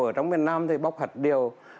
ở trong miền nam thì bóc hật điều